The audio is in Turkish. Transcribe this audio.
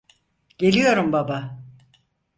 Geliyorum baba.